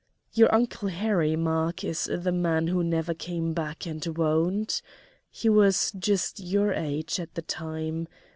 Your Uncle Harry, Mark, is the man who never came back and won't. He was just your age at the time.